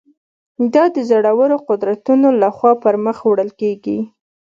دا د زورورو قدرتونو له خوا پر مخ وړل کېږي.